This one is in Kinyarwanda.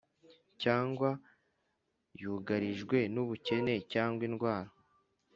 cyangwa yugarijwe n’ubukene cyangwa indwara